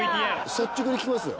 率直に聞きますよ。